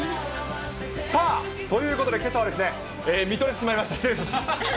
さあ、ということでけさは、みとれてしまいました、失礼いたしました。